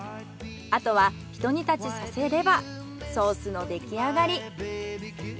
あとはひと煮立ちさせればソースの出来上がり。